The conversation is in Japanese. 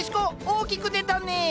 大きく出たねえ。